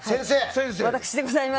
私でございます。